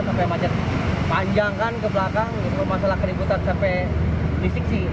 sampai macet panjang kan ke belakang masalah keributan sampai distiksi